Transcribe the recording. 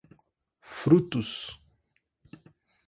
frutos